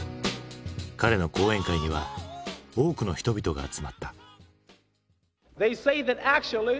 彼の講演会には多くの人々が集まった。